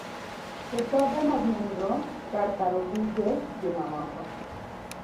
ripode mag nonro e kar kano buge, gi mamoko